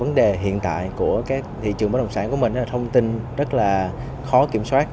vấn đề hiện tại của các thị trường bất động sản của mình là thông tin rất là khó kiểm soát